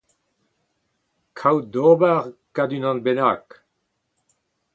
kaout d'ober gant unan bennak